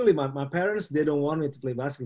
sebenarnya ibu bapa saya tidak ingin saya mainkan bola basket